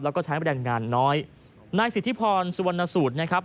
แล้วก็ใช้แรงงานน้อยนายสิทธิพรสุวรรณสูตรนะครับ